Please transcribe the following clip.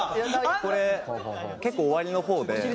これ結構終わりの方で。